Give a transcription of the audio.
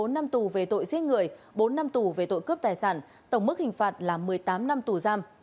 bốn năm tù về tội giết người bốn năm tù về tội cướp tài sản tổng mức hình phạt là một mươi tám năm tù giam